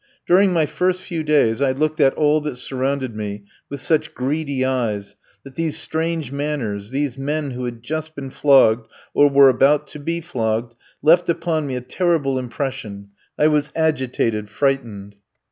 During my first few days I looked at all that surrounded me with such greedy eyes that these strange manners, these men who had just been flogged or were about to be flogged, left upon me a terrible impression. I was agitated, frightened.